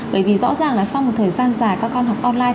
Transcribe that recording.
bởi vì rõ ràng là sau một thời gian dài các con học online